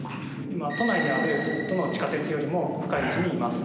今都内にあるどの地下鉄よりも深い位置にいます。